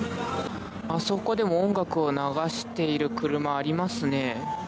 あそこでも音楽を流している車ありますね。